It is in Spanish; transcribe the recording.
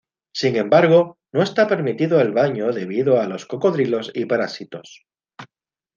Sin embargo, no está permitido el baño debido a los cocodrilos y parásitos.